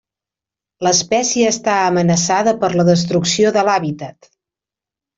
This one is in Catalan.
L'espècie està amenaçada per la destrucció de l'hàbitat.